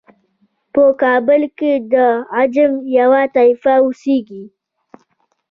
په کابل کې د عجم یوه طایفه اوسیږي.